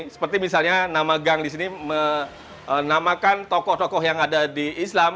seperti misalnya nama gang di sini menamakan tokoh tokoh yang ada di islam